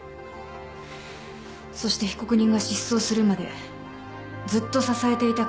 そして被告人が失踪するまでずっと支えていた看護師がいた。